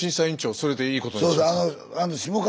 それでいいことにしますか。